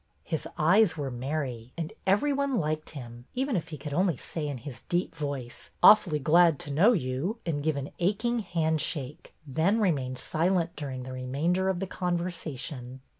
His eyes were merry, and every one liked him, even if he could only say in his deep voice, " Awfully glad to know you," and give an aching handshake, then remain silent during the remainder of the conversation.